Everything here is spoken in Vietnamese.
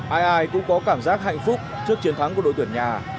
ai ai cũng có cảm giác hạnh phúc trước chiến thắng của đội tuyển nhà